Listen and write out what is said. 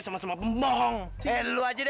sama sama pemborong eh lu aja deh